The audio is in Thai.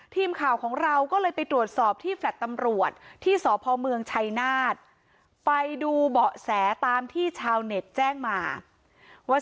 ทีมข่าวของเราก็เลยไปตรวจสอบที่แฟลต์ตำรวจที่สพเมืองชัยนาธไปดูเบาะแสตามที่ชาวเน็ตแจ้งมาว่า